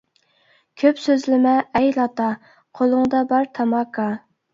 كۆپ سۆزلىمە ئەي لاتا، قۇلۇڭدا بار تاماكا.